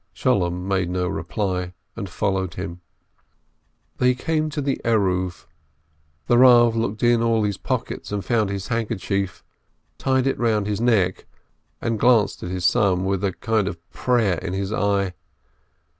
Sholem made no reply, and followed him. They came to the Eruv, the Eav looked in all his pockets, found his handkerchief, tied it round his neck, and glanced at his son with a kind of prayer in his eye.